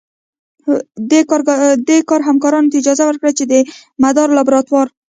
دې کار همکارانو ته اجازه ورکړه چې د مدار لابراتوار